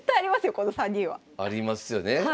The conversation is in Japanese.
この３人は。ありますよね。